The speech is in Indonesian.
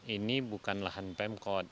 ini bukan lahan pemkot